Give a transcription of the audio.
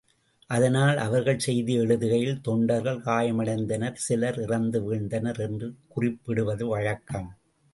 அதனால் அவர்கள் செய்தி எழுதுகையில் தொண்டர்கள் காயமடைந்தனர் சிலர் இறந்து வீழ்ந்தனர் என்று குறிப்பிடுவது வழக்கம்.